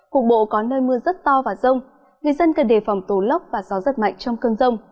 khu vực bộ có nơi mưa rất to và rông người dân cần đề phòng tố lóc và gió rất mạnh trong cơn rông